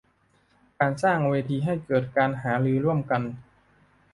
การสร้างเวทีให้เกิดการหารือร่วมกัน